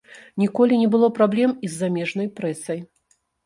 Ніколі не было праблем і з замежнай прэсай.